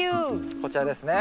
こちらですね。